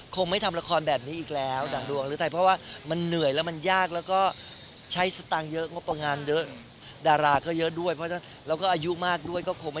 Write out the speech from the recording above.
คงไม่ทำละครแบบนี้อีกแล้วดังดวง